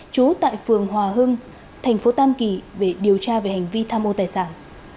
trú tại phường hòa hưng thành phố tam kỳ để điều tra về hành vi tham ô tài sản